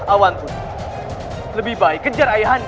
awanpun lebih baik kejar ayahandamu